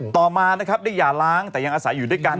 ต่อมานะครับได้อย่าล้างแต่ยังอาศัยอยู่ด้วยกัน